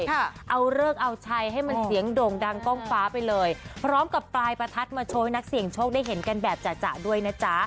ค่ะเอาเลิกเอาชัยให้มันเสียงโด่งดังกล้องฟ้าไปเลยพร้อมกับปลายประทัดมาโชว์ให้นักเสี่ยงโชคได้เห็นกันแบบจะด้วยนะจ๊ะ